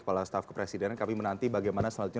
kepala staff kepresiden kami menanti bagaimana selanjutnya